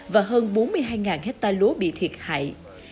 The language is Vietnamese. và hơn bốn mươi hai hectare lúa bị thiệt hại